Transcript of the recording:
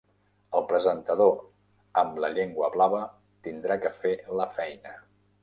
El presentador amb la llengua blava tindrà que fer la feina.